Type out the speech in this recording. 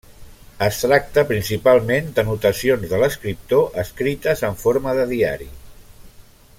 Es tracta principalment d'anotacions de l'escriptor escrites en forma de diari.